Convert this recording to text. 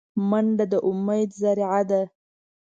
منډه د امید ذریعه ده